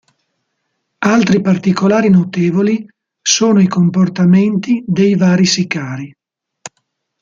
Altri particolari notevoli sono i comportamenti dei vari sicari.